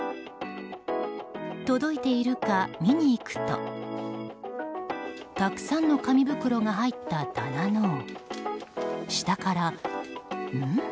届いているか見に行くとたくさんの紙袋が入った棚の下からうん？